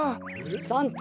村長